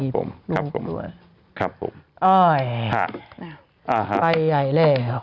ไปไว้แล้ว